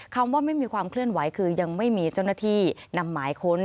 คำว่าไม่มีความเคลื่อนไหวคือยังไม่มีเจ้าหน้าที่นำหมายค้น